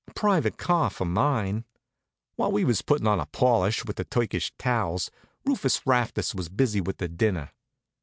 A private car for mine. While we was puttin' on a polish with the Turkish towels, Rufus Rastus was busy with the dinner.